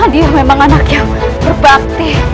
dia memang anak yang berbakti